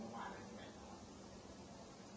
พี่ดู